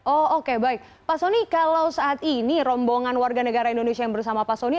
oh oke baik pak soni kalau saat ini rombongan warga negara indonesia yang bersama pak soni